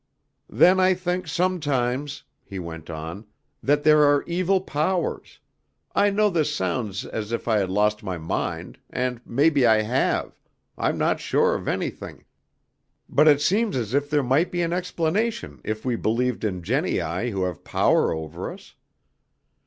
"Then I think sometimes," he went on, "that there are evil powers, I know this sounds as if I had lost my mind, and maybe I have, I'm not sure of anything, but it seems as if there might be an explanation if we believed in genii who have power over us.